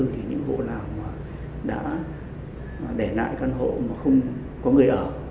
thì những hộ nào mà đã để lại căn hộ mà không có người ở